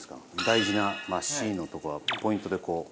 大事なシーンのとこはポイントでこう折るんですね。